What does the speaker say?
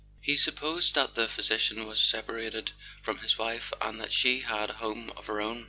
He supposed that the physician was separated from his wife, and that she had a home of her own.